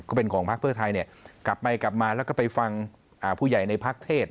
ที่เป็นของภาคเพื่อไทยเนี่ยกลับมาและก็ไปฟังผู้ใหญ่ในภาคเทศ